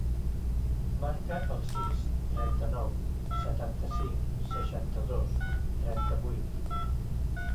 Marca el sis, trenta-nou, setanta-cinc, seixanta-dos, trenta-vuit.